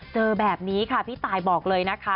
เจอแบบนี้ค่ะพี่ตายบอกเลยนะคะ